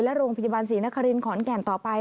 และโรงพยาบาลศรีนครินขอนแก่นต่อไป